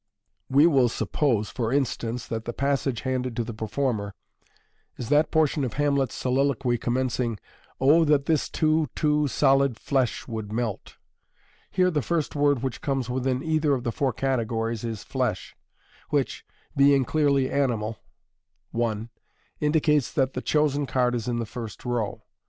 We will suppose, for instance, that the passage handed to the performer is that portion of Hamlet's soliloquy commencing, "Oh, that this too too solid Jiesk would melt." Here the first word which comes within either of the four categories is " tiesh," which, being clearly animal (i), indicates that the chosen card is in the first row.